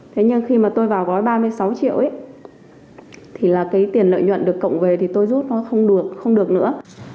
thế nhưng khi mà tôi vào gói ba mươi sáu triệu ấy là cái tiền lợi nhuận được cộng về thì tôi rút nó không được không được nữa